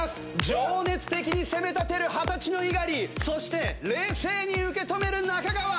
情熱的に責め立てる２０歳の猪狩そして冷静に受け止める中川。